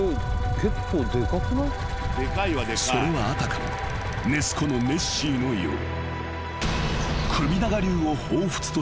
［それはあたかもネス湖のネッシーのよう］